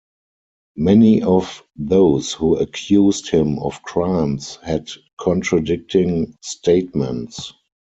Many of those who accused him of crimes had contradicting statements.